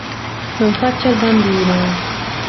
Non faccia il bambino!